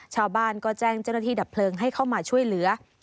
ชาวบ้านก็แจ้งเจ้าหน้าที่ดับเพลิงให้เข้ามาช่วยเหลือ